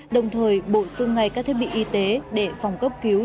đồng thời bổ sung ngay các thiết bị y tế để phòng cấp cứu